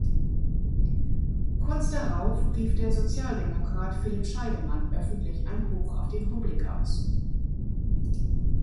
Kurz darauf rief der Sozialdemokrat Philipp Scheidemann öffentlich ein Hoch auf die Republik aus.